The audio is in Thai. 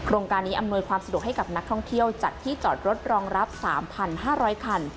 การนี้อำนวยความสะดวกให้กับนักท่องเที่ยวจัดที่จอดรถรองรับ๓๕๐๐คัน